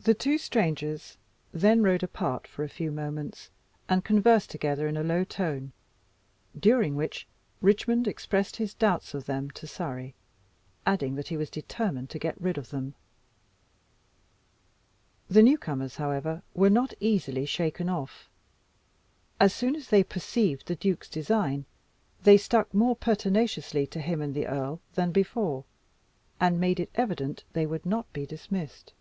The two strangers then rode apart for a few moments, and conversed together in a low tone, during which Richmond expressed his doubts of them to Surrey, adding that he was determined to get rid of them. The new comers, however, were not easily shaken off. As soon as they perceived the duke's design, they stuck more pertinaciously to him and the earl than before, and made it evident they would not be dismissed.